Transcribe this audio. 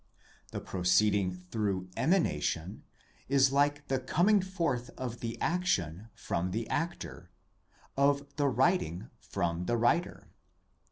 The proceeding through emanation is like the coming forth of the action from the actor, of the writing from the writer.